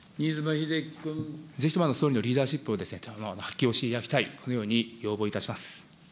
ぜひとも総理のリーダーシップを発揮をしていただきたい、このように要望いたします。